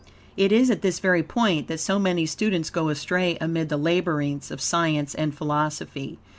It is at this very point, that, so many students go astray amid the labyrinths of science and philosophy.